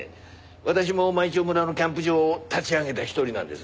私も舞澄村のキャンプ場を立ち上げた一人なんです。